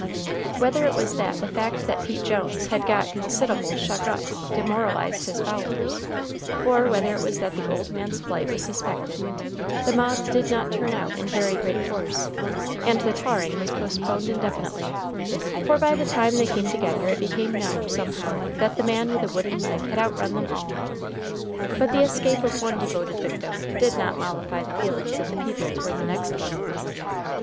Whether it was that the fact that Pete Jones had got consid'able shuck up demoralized his followers, or whether it was that the old man's flight was suspected, the mob did not turn out in very great force, and the tarring was postponed indefinitely, for by the time they came together it became known somehow that the man with a wooden leg had outrun them all. But the escape of one devoted victim did not mollify the feelings of the people toward the next one.